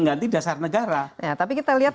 ganti dasar negara tapi kita lihat